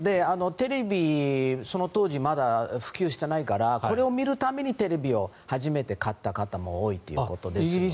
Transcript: テレビ、その当時まだ普及してないからこれを見るためにテレビを初めて買った方も多いということですね。